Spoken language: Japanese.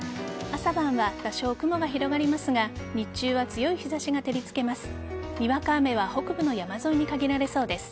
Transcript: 朝晩は多少、雲が広がりますが日中は強い日差しが照りつけます。